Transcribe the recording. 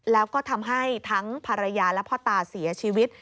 แล้วก็ทำให้ทั้งภรรยาและพ่อตาเสียชีวิต